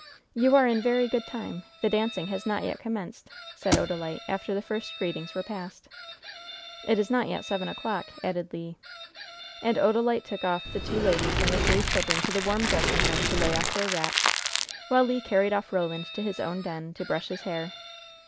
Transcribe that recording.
"You are in very good time! the dancing has not yet commenced," said Odalite, after the first greetings were passed. "It is not yet seven o'clock," added Le. And Odalite took off the two ladies and the three children to the warm dressing room to lay off their wraps, while Le carried off Roland to his own den, to brush his hair.